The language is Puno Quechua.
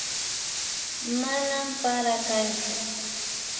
Manan para kanchu